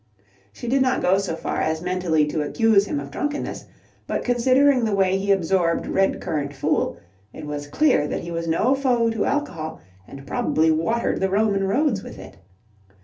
She did not go so far as mentally to accuse him of drunkenness, but considering the way he absorbed red currant fool, it was clear that he was no foe to alcohol and probably watered the Roman roads with it.